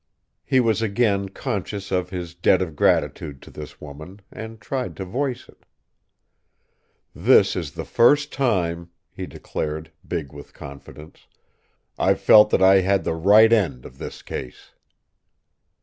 He was again conscious of his debt of gratitude to this woman, and tried to voice it. "This is the first time," he declared, big with confidence, "I've felt that I had the right end of this case."